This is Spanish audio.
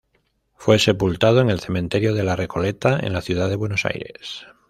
Fue sepultado en el Cementerio de la Recoleta, en la ciudad de Buenos Aires.